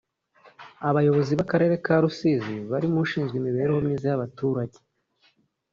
Abayobozi b’akarere ka Rusizi barimo ushinzwe imiberehomyiza y’abaturage